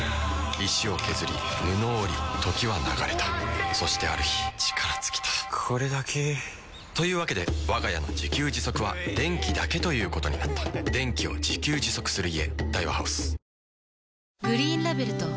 石を削り布を織り時は流れたそしてある日力尽きたこれだけ。というわけでわが家の自給自足は電気だけということになった電気を自給自足する家。